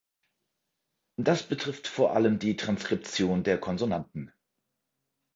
Das betrifft vor allem die Transkription der Konsonanten.